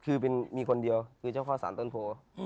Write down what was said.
คือมีคนเดียวคือช้าข้อสารตัวโหนพู